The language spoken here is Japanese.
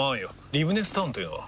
リブネスタウンというのは？